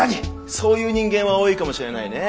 そういう人間は多いかもしれないねえ。